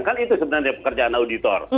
kan itu sebenarnya pekerjaan auditor